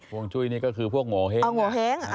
ห่วงจุ้ยนี่ก็คือพวกโหเห้ง